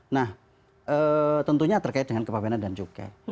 nah tentunya terkait dengan kepabeanan dan cukai